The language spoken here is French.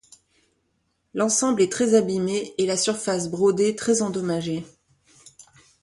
L'ensemble est très abîmé et la surface brodée très endommagée.